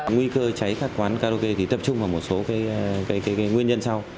nguy cơ cháy các quán karaoke thì tập trung vào một số nguyên nhân sau